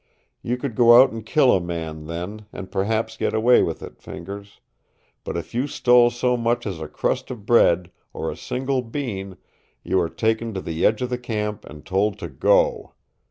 You could go out and kill a man, then, and perhaps get away with it, Fingers. But if you stole so much as a crust of bread or a single bean, you were taken to the edge of the camp and told to go!